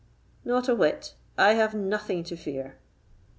"Not a whit; I have nothing to fear."